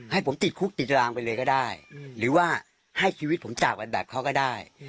ให้ผมติดคุกติดรางไปเลยก็ได้หรือว่าให้ชีวิตผมจากไปแบบเขาก็ได้